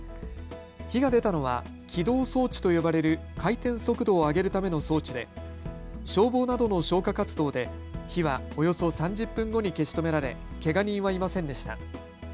火が出たのは起動装置と呼ばれる回転速度を上げるための装置で消防などの消火活動で火はおよそ３０分後に消し止められ、けが人はいませんでした。